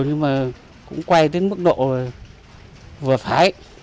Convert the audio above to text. nhưng mà cũng quay đến mức độ vừa phải